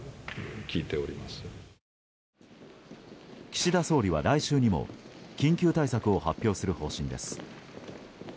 岸田総理は、来週にも緊急対策を発表する方針です。